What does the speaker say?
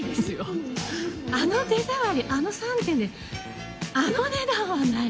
あの手触りあの３点であの値段はない。